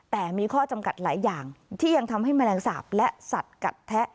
แต่มีข้อจำกัดหลายอย่างที่ยังทำให้แมลงสาปและสัตว์กัดแทะ